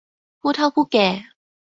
ผู้เฒ่าผู้แก่